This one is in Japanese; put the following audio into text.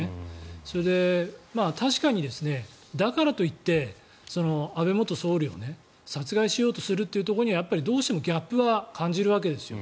それで、確かにだからといって安倍元総理を殺害しようとするっていうところにはどうしてもギャップを感じるわけですよ。